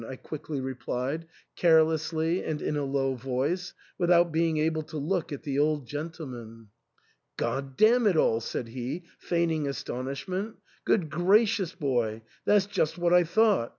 " I quickly replied, carelessly and in a low voice, without being able to look at the old gentle man. God damn it all," said he, feigning astonish ment '* Good gracious, boy ! that's just what I thought.